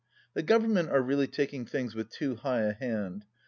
The Government are really taking things with too high a hand.